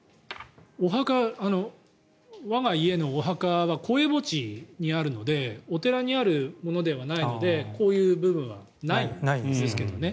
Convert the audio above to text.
我が家のお墓は公営墓地にあるのでお寺にあるものではないのでこういう部分はないんですけどね